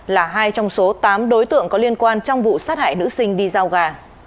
là hai trong số tám đối tượng có liên quan trong vụ sát hại nữ sinh đi giao gà